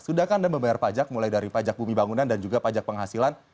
sudahkah anda membayar pajak mulai dari pajak bumi bangunan dan juga pajak penghasilan